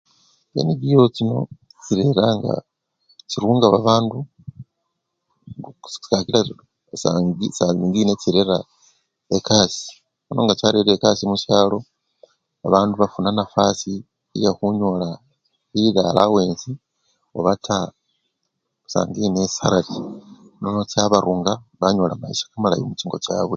Chi NGO chino chireranga, chirunga babandu sii! ngi! kakila sa! sangine chirera ekasii nono nga charerire ekasii mushalo babandu bafuna nafasi yekhunyola daily allawence obata sangine esalari nono chabarunga banyola mayisha kamalayi muchingo chabwe.